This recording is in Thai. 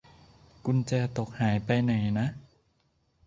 กุญแจตกหายไปไหนนะ